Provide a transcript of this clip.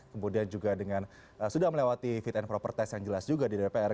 kemudian juga dengan sudah melewati fit and proper test yang jelas juga di dpr